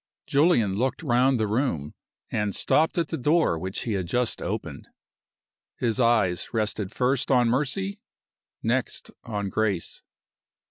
JULIAN looked round the room, and stopped at the door which he had just opened. His eyes rested first on Mercy, next on Grace.